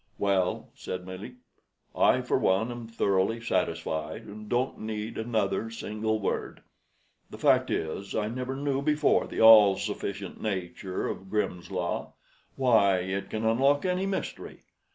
"Well," said Melick, "I for one am thoroughly satisfied, and don't need another single word. The fact is, I never knew before the all sufficient nature of Grimm's Law. Why, it can unlock any mystery!